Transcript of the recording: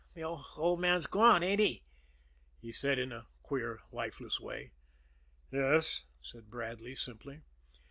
"The old man's gone, ain't he?" he said in a queer, lifeless way. "Yes," said Bradley simply.